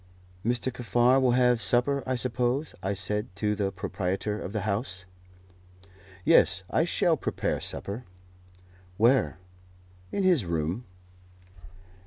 "Mr. Kaffar will have supper, I suppose?" I said to the proprietor of the house. "Yes, I shall prepare supper." "Where?" "In his own room."